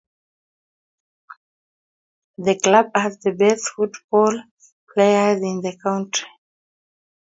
The club has the best football players in the country.